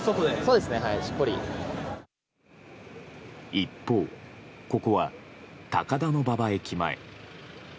一方、ここは高田馬場駅前。